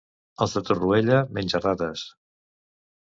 Els de Torroella, menja-rates.